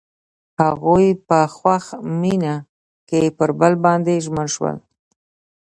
هغوی په خوښ مینه کې پر بل باندې ژمن شول.